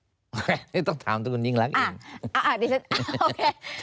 โอเคนี่ต้องถามถ้าคุณยิ่งรักอีก